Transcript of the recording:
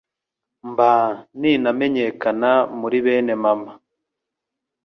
mba n’intamenyekana muri bene mama